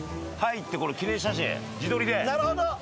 なるほど！